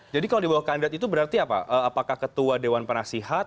jadi kalau di bawah kandidat itu berarti apa apakah ketua dewan penasehat